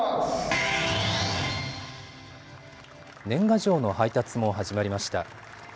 年賀状の配達も始まりました。